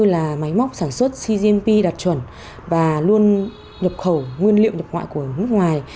là máy móc sản xuất cgp đạt chuẩn và luôn nhập khẩu nguyên liệu nhập ngoại của nước ngoài